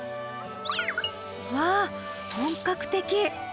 わあ本格的！